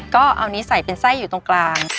ก็เอานี้ใส่เป็นไส้อยู่ตรงกลาง